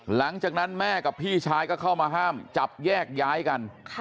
หลังจากนั้นแม่กับพี่ชายก็เข้ามาห้ามจับแยกย้ายกัน